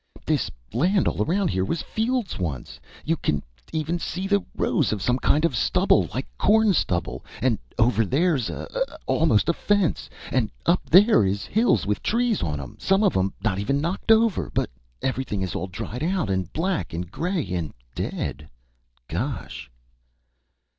"This land all around here was fields once! You can even see the rows of some kind of stubble! Like corn stubble! And over there's a a almost like a fence! An' up there is hills with trees on 'em some of 'em not even knocked over. But everything is all dried out and black and grey and dead! Gosh!"